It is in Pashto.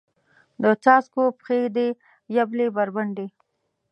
د څاڅکو پښې دي یبلې بربنډې